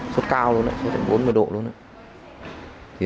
sốt cao luôn đấy sốt bốn mươi độ luôn đấy